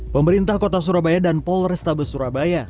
pemerintah kota surabaya dan polrestabes surabaya